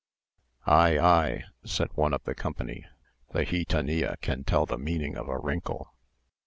"Ay, ay," said one of the company; "the gitanilla can tell the meaning of a wrinkle."